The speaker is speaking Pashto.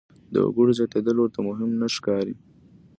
د وګړو زیاتېدل ورته مهم نه ښکاري.